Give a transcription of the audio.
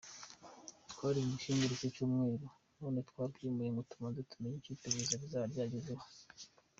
Twari bumushyingure ku cyumweru none twabyimuye ngo tubanze tumenye icyo iperereza rizaba ryagezeho.”